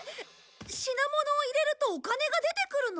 品物を入れるとお金が出てくるの？